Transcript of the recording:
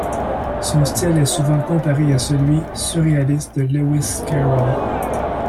Son style est souvent comparé à celui surréaliste de Lewis Carroll.